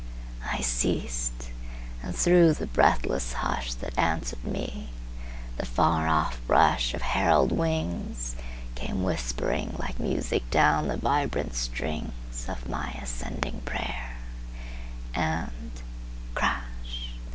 I ceased; and through the breathless hushThat answered me, the far off rushOf herald wings came whisperingLike music down the vibrant stringOf my ascending prayer, and—crash!